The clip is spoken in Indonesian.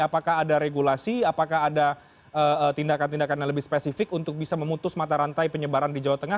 apakah ada regulasi apakah ada tindakan tindakan yang lebih spesifik untuk bisa memutus mata rantai penyebaran di jawa tengah